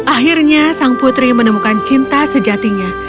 akhirnya sang putri menemukan cinta sejatinya